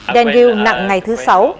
daniel nặng ngày thứ sáu